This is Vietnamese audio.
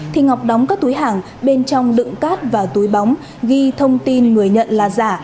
thì ngọc đóng các túi hàng bên trong đựng cát và túi bóng ghi thông tin người nhận là giả